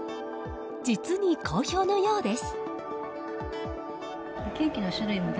実に好評のようです。